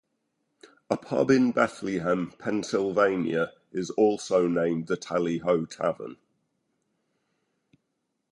A pub in Bethlehem, Pennsylvania is also named the Tally Ho Tavern.